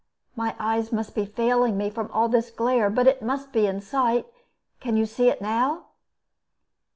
My eyes must be failing me, from all this glare; but it must be in sight. Can you see it now?"